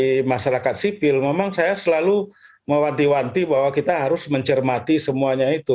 dari masyarakat sipil memang saya selalu mewanti wanti bahwa kita harus mencermati semuanya itu